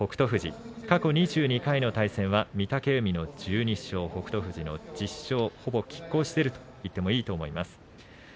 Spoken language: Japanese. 富士過去２２回の対戦は御嶽海の１２勝北勝富士が１０勝ほぼ、きっ抗していると言ってもいいと思います。